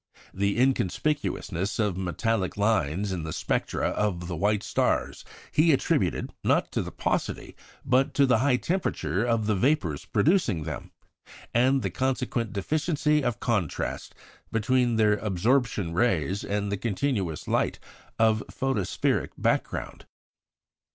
The inconspicuousness of metallic lines in the spectra of the white stars he attributed, not to the paucity, but to the high temperature of the vapours producing them, and the consequent deficiency of contrast between their absorption rays and the continuous light of the photospheric background.